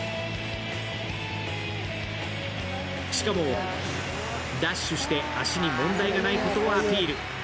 しかもダッシュして足に問題がないことをアピール。